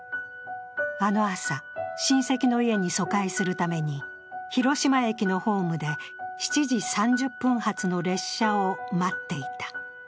あの朝、親戚の家に疎開するために広島駅のホームで７時３０発の列車を待っていた。